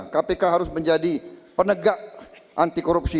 kpk harus menjadi penegak anti korupsi